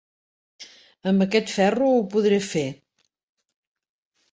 Amb aquest ferro ho podré fer.